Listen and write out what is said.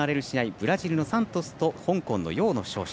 ブラジルのサントスと香港の選手の勝者。